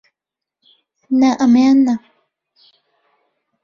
نا، ئەمەیان نا!